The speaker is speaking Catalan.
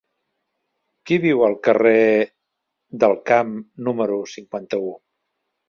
Qui viu al carrer del Camp número cinquanta-u?